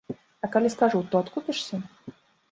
А калі скажу, то адкупішся?